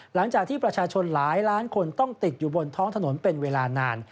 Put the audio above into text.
หลังจากที่ประชาชนหลายล้านคนต้องติดอยู่บนท้องถนนเป็นเวลานาน